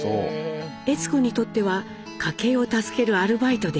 悦子にとっては家計を助けるアルバイトでした。